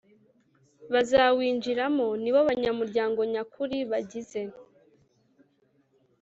Bazawinjiramo nibo banyamuryango nyakuri bagize